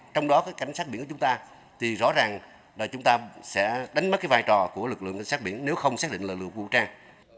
trong đó có cảnh sát biển của chúng ta thì rõ ràng là chúng ta sẽ đánh mất cái vai trò của lực lượng cảnh sát biển nếu không xác định lực lượng vũ trang